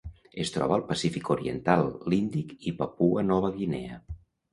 Es troba al Pacífic oriental, l'Índic i Papua Nova Guinea.